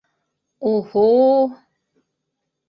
У-һу-у...